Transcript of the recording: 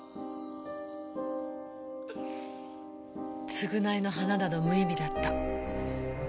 償いの花など無意味だった。